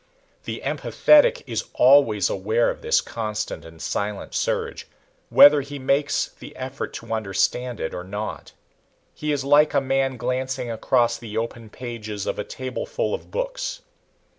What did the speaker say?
The empathetic is always aware of this constant and silent surge, whether he makes the effort to understand it or not. He is like a man glancing across the open pages of a tableful of books.